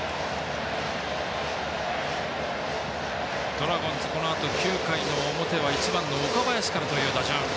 ドラゴンズ、このあと９回の表は１番の岡林からという打順。